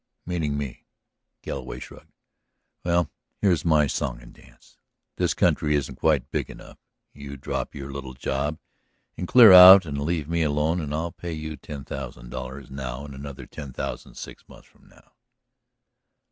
"Meaning me?" Galloway shrugged. "Well, here's my song and dance: This county isn't quite big enough; you drop your little job and clear out and leave me alone and I'll pay you ten thousand dollars now and another ten thousand six months from now."